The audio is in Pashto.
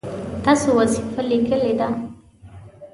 تاسو وظیفه لیکلې ده؟